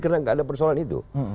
karena nggak ada persoalan itu